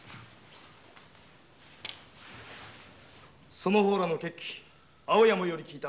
その方らの決起青山より聞いた。